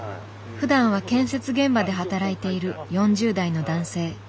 ふだんは建設現場で働いている４０代の男性。